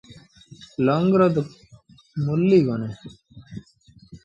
لونگ رو تا مُل ئي ڪونهي۔